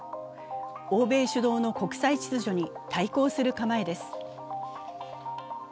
欧米主導の国際秩序に対抗する構えです。